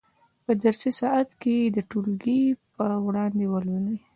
په درسي ساعت کې یې د ټولګي په وړاندې ولولئ.